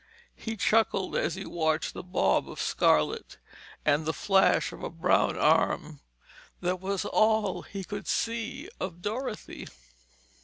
He chuckled as he watched the bob of scarlet and the flash of a brown arm that was all he could see of Dorothy.